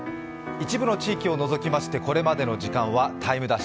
一部の地域を除きましてこれまでの時間は「ＴＩＭＥ’」。